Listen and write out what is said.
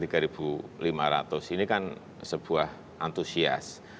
ini kan sebuah antusias